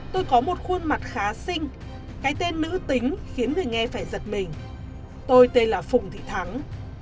tôi có một khuôn mặt khá sinh cái tên nữ tính khiến người nghe phải giật mình tôi tên là phùng thị thắng